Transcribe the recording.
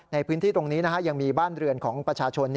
ในพื้นที่ตรงนี้ยังมีบ้านเรือนของประชาชน